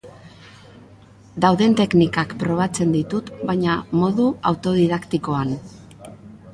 Dauden teknikak probatzen ditut, baina modu autodidaktikoan.